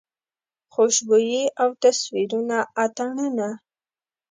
خوشبويي او تصویرونه اتڼونه